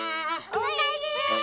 おかえり。